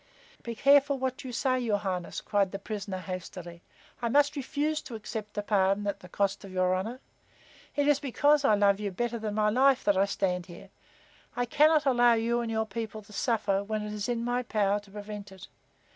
"Be careful whet you say, your Highness," cried the prisoner, hastily. "I must refuse to accept a pardon at the cost of your honor. It is because I love you better than my life that I stand here. I cannot allow you and your people to suffer when it is in my power to prevent it.